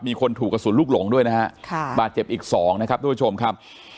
มีคนถูกกระสุนลูกหลงด้วยนะฮะค่ะบาดเจ็บอีกสองนะครับทุกผู้ชมครับ